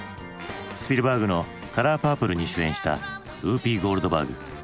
スピルバーグの「カラーパープル」に主演したウーピー・ゴールドバーグ。